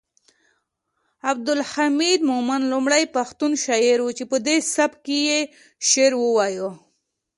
عبدالحمید مومند لومړی پښتون شاعر و چې پدې سبک یې شعر وایه